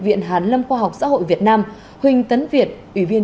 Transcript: viện hàn lâm khoa học xã hội việt nam huỳnh tấn việt ủy viên